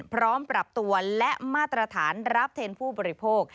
พร้อมปรับตัวและมาตรฐานรับเทนผู้บริโภค